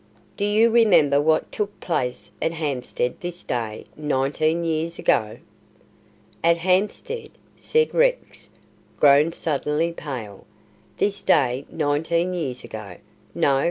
"Do you remember what took place at Hampstead this day nineteen years ago?" "At Hampstead!" said Rex, grown suddenly pale. "This day nineteen years ago. No!